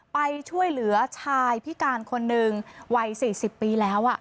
ไปช่วยเหลือชายพิการคนหนึ่งวัย๔๐ปีแล้ว